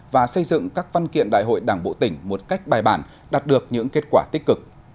và xây dựng các văn kiện đại hội đảng bộ tỉnh một cách bài bản đạt được những kết quả tích cực